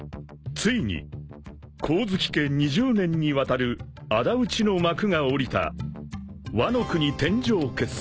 ［ついに光月家２０年にわたるあだ討ちの幕が下りたワノ国天上決戦］